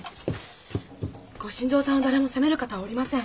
ご新造さんを誰も責める方はおりません。